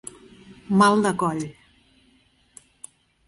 Mal de coll.